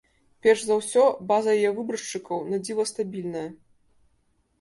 Перш за ўсё, база яе выбаршчыкаў на дзіва стабільная.